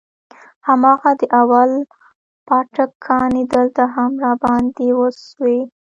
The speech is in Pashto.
هماغه د اول پاټک کانې دلته هم راباندې وسوې.